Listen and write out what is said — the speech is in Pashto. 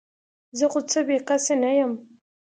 زه خو څه بې کسه نه یم ؟